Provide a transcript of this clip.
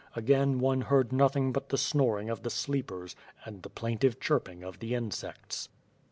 Again one heard nothing but the snoring of the sleepers, and the plaintive chirping of the insects.